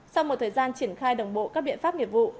sau một thời gian triển khai đồng bộ các biện pháp nghiệp vụ